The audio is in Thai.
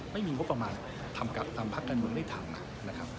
ไม่มีงบประมาณทำกับทำพักการเงินได้ถังนะครับ